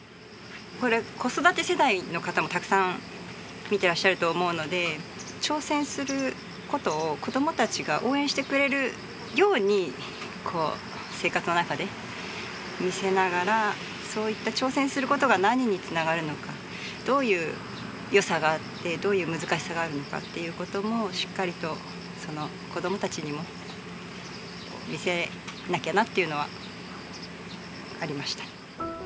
子育て世代の方もたくさん見てらっしゃると思うので、挑戦することを、子どもたちが応援してくれるように、生活の中で見せながら、そういった挑戦することが何につながるのか、どういうよさがあって、どういうむずかしさがあるのかということも、しっかりと子どもたちにも見せなきゃなっていうのはありました。